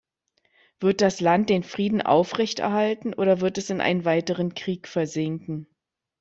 Wird das Land den Frieden aufrechterhalten oder wird es in einen weiteren Krieg versinken?